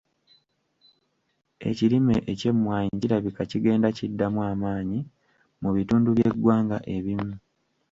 Ekirime eky'emmwanyi kirabika kigenda kiddamu amaanyi mu bitundu by'eggwanga ebimu.